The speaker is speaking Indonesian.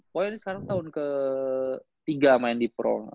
pokoknya sekarang tahun ke tiga main di pro